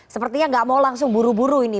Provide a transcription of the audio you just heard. sepertinya nggak mau langsung buru buru ini